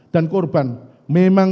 dan korban memang